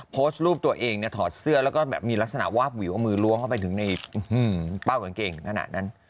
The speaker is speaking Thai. โพสต์รูปตัวเองเนี่ยถอดเสื้อแล้วก็แบบมีลักษณะวาบวิวมือล้วงเข้าไปถึงในเป้ากางเกงถึงขนาดนั้น